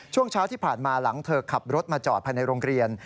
ช่วงเช้าที่ผ่านมาหลังเธอขับรถมาจอดภายในโรงเรียน